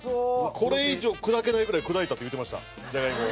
これ以上砕けないぐらい砕いたって言ってましたじゃがいもを。